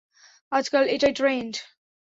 আজকাল এটাই ট্রেন্ড!